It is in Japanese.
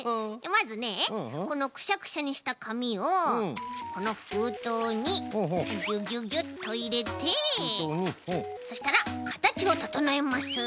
まずねこのくしゃくしゃにしたかみをこのふうとうにギュギュギュッといれてそしたらかたちをととのえます。